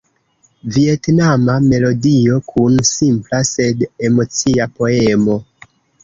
Vjetnama melodio kun simpla, sed emocia poemo.